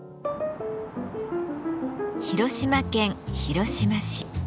広島県広島市。